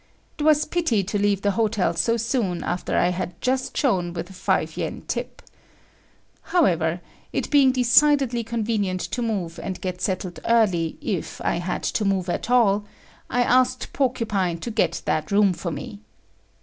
It was pity to leave the hotel so soon after I had just shone with a 5 yen tip. However, it being decidedly convenient to move and get settled early if I had to move at all, I asked Porcupine to get that room for me.